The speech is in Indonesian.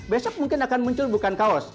besok mungkin akan muncul bukan kaos